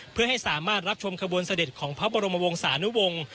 เพื่อให้สามารถรับชมขบวนเสด็จของพระบรมวงศานุวงศ์